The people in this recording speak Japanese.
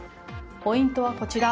ポイントはこちら。